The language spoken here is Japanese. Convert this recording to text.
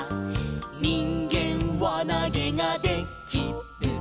「にんげんわなげがで・き・る」